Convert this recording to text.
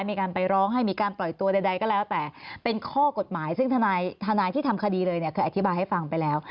มีการไปร้องให้มีการปล่อยตัวใดก็แล้วแต่เป็นข้อกฎหมายซึ่งทนายที่ทำคดีเลยเนี่ยเคยอธิบายให้ฟังไปแล้ว